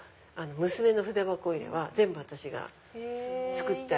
娘の筆箱は全部私が作って。